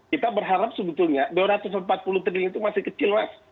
kita berharap sebetulnya dua ratus empat puluh triliun itu masih kecil mas